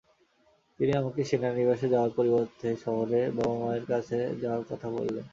তিনি আমাকে সেনানিবাসে যাওয়ার পরিবর্তে শহরে বাবা-মায়ের কাছে যাওয়ার কথা বললেন।